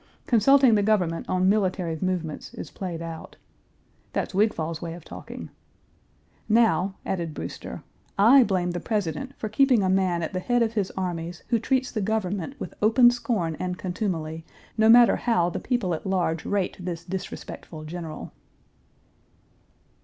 Consulting the government on military movements is played out. That's Wigfall's way of talking. Now," added Brewster, "I blame the President for keeping a man at the head of his armies who treats the government with open scorn and contumely, no matter how the people at large rate this disrespectful general."